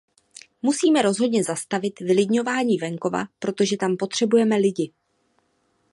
Musíme rozhodně zastavit vylidňování venkova, protože tam potřebujeme lidi.